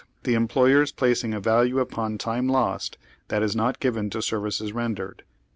"the employers placing a value upon time lost that is not given to services rendered."